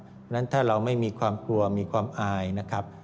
เพราะฉะนั้นถ้าเราไม่มีความกลัวมีความอายนะครับ